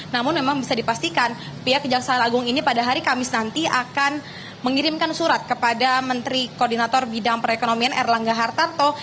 namun memang bisa dipastikan pihak kejaksaan agung ini pada hari kamis nanti akan mengirimkan surat kepada menteri koordinator bidang perekonomian erlangga hartarto